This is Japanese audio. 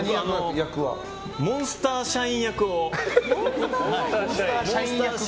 僕はモンスター社員役を。